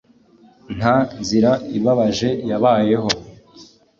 nta nzira ibabaje yabayeho,